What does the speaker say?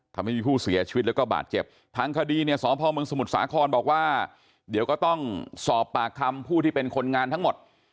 ทำให้มีผู้เสียชีวิตแล้วก็บาดเจ็บทางคดีเนี่ยสพมสมุทรสาครบอกว่าเดี๋ยวก็ต้องสอบปากคำผู้ที่เป็นคนงานทั้งหมด